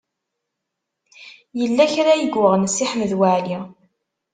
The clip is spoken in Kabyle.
Yella kra i yuɣen Si Ḥmed Waɛli.